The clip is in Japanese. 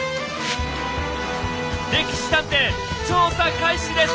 「歴史探偵」調査開始です！